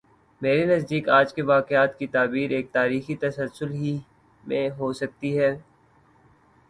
میرے نزدیک آج کے واقعات کی تعبیر ایک تاریخی تسلسل ہی میں ہو سکتی ہے۔